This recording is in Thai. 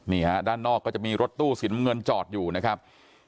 นี่ฮะด้านนอกก็จะมีรถตู้สีน้ำเงินจอดอยู่นะครับ